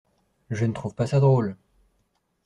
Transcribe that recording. Je ne trouve pas ça drôle !